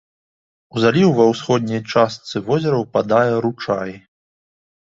У заліў ва ўсходняй частцы возера ўпадае ручай.